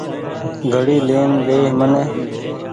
گھڙي لين ۮي مني ۔